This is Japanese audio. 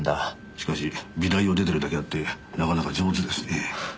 しかし美大を出てるだけあってなかなか上手ですね。